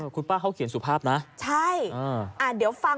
คุณป้าเขาเขียนสุภาพนะ